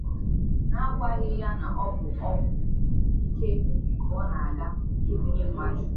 n'agwaghị ya na ọ bụ ọgwụ ike ka ọ na-aga ebunye mmadụ.